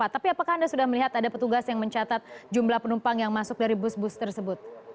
tapi apakah anda sudah melihat ada petugas yang mencatat jumlah penumpang yang masuk dari bus bus tersebut